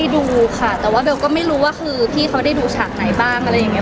ดูค่ะแต่ว่าเบลก็ไม่รู้ว่าคือพี่เขาได้ดูฉากไหนบ้างอะไรอย่างนี้